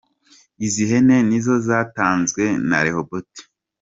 Izi hene nizo zatanzwe na Rehoboth.